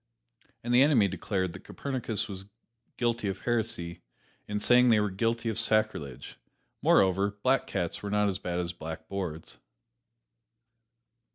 And the enemy declared that Copernicus was guilty of heresy in saying they were guilty of sacrilege. Moreover, black cats were not as bad as blackboards.